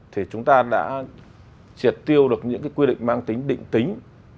thì chúng ta đã triệt tiêu được những cái quy định mang tính định tính